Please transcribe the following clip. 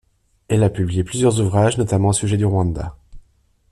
Elle a publié plusieurs ouvrages, notamment au sujet du Rwanda.